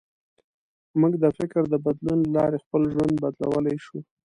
موږ د فکر د بدلون له لارې خپل ژوند بدلولی شو.